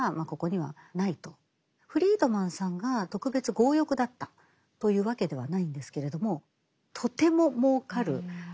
フリードマンさんが特別強欲だったというわけではないんですけれどもとても儲かるドクトリン。